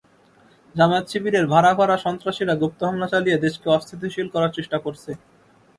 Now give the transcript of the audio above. জামায়াত-শিবিরের ভাড়া করা সন্ত্রাসীরা গুপ্ত হামলা চালিয়ে দেশকে অস্থিতিশীল করার চেষ্টা করছে।